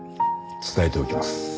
伝えておきます。